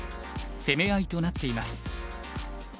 攻め合いとなっています。